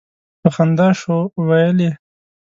په خندا شو ویل یې.